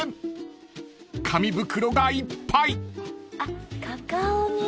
［紙袋がいっぱい！］